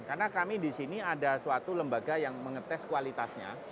karena kami disini ada suatu lembaga yang mengetes kualitasnya